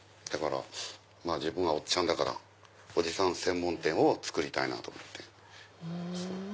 自分がおっちゃんだからおじさん専門店をつくりたいなと思って。